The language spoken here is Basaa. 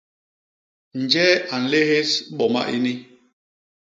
Njee a nléhés boma ini?